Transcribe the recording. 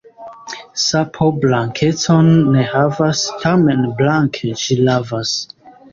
Sapo blankecon ne havas, tamen blanke ĝi lavas.